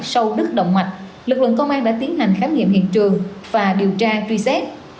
sau đứt động mạch lực lượng công an đã tiến hành khám nghiệm hiện trường và điều tra truy xét